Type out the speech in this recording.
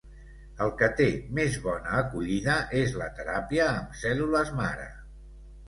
El que té més bona acollida és la teràpia amb cèl·lules mare.